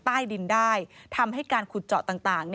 ใต้ดินได้ทำให้การขุดเจาะต่าง